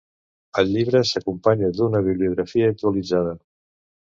El llibre s'acompanya d'una bibliografia actualitzada.